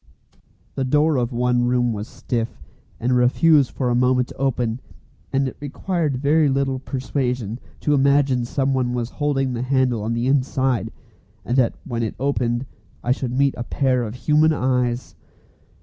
The door of one room was stiff, and refused for a moment to open, and it required very little persuasion to imagine someone was holding the handle on the inside, and that when it opened I should meet a pair of human eyes.